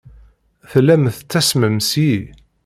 Tellam tettasmem seg-i.